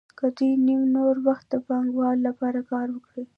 که دوی نیم نور وخت د پانګوال لپاره کار وکړي